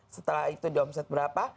setelah itu di omset berapa